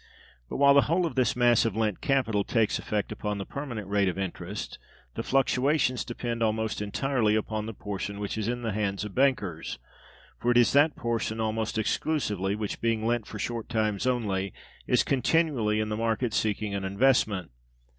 (286) But, while the whole of this mass of lent capital takes effect upon the permanent rate of interest, the fluctuations depend almost entirely upon the portion which is in the hands of bankers; for it is that portion almost exclusively which, being lent for short times only, is continually in the market seeking an investment.